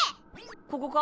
ここか？